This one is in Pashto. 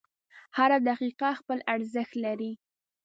• هره دقیقه خپل ارزښت لري.